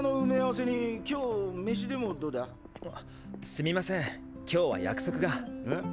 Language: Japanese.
すみません今日は約束が。え？